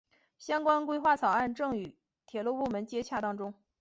相关规划草案正与铁路部门接洽当中。